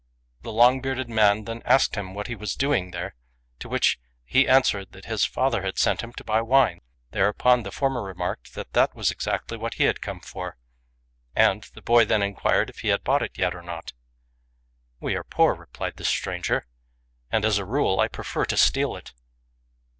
The long bearded man then asked him what he was doing there, to which he answered that his father had sent him to buy wine ; whereupon the former remarked that that was exactly what he had come for, and the boy then inquired if he had bought it yet or not. "We are poor," replied the stranger, "and as a rule I prefer to steal it."